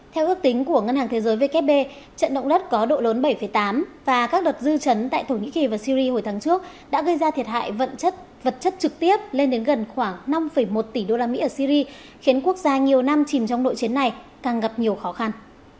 theo ước tính của ngân hàng thế giới vkp trận động đất có độ lớn bảy tám và các đợt dư chấn tại thổ nhĩ kỳ và syri hồi tháng trước đã gây ra thiệt hại vật chất vật chất trực tiếp lên đến gần khoảng năm một tỷ usd ở syri khiến quốc gia nhiều năm chìm trong nội chiến này càng gặp nhiều khó khăn